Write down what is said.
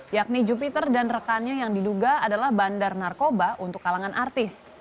yakni jupiter dan rekannya yang diduga adalah bandar narkoba untuk kalangan artis